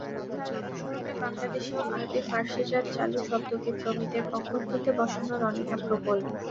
তার অনুসরণে বাংলাদেশেও আরবি-ফারসিজাত চালু শব্দকে প্রমিতের পঙ্িক্ততে বসানোর অনীহা প্রবল।